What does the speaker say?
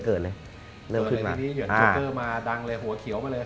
เกิดเลยทีนี้เหยื่อนโจ๊กเกอร์มาดังเลยหัวเขียวมาเลย